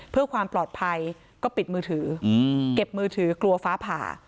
เพื่อความปลอดภัยก็ปิดมือถือเก็บมือถือกลัวฟ้าผ่า